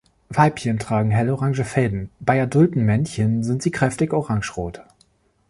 Weibchen tragen hellorange "Fäden", bei adulten Männchen sind sie kräftig orangerot.